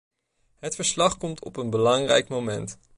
Het verslag komt op een belangrijk moment.